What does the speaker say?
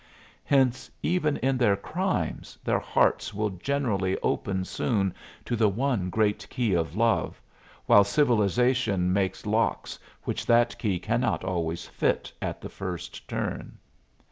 Hence, even in their crimes, their hearts will generally open soon to the one great key of love, while civilization makes locks which that key cannot always fit at the first turn.